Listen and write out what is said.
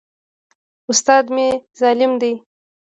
استاد مي ظالم دی.